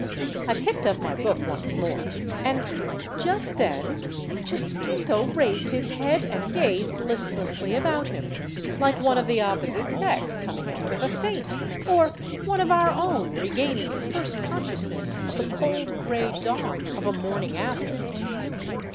I picked up my book once more — and just then Chusquito raised his head and gazed listlessly about him, like one of the opposite sex coming out of a faint, or one of our own regaining the first con sciousness of the cold gray dawn of a morning after.